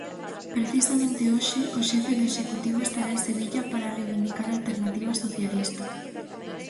Precisamente hoxe o xefe do Executivo estará en Sevilla para reivindicar a alternativa socialista.